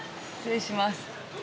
失礼します。